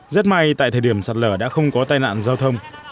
rất may tại thời điểm sạt lở đã không có tai nạn giao thông